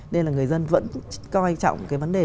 nên là người dân vẫn coi trọng cái vấn đề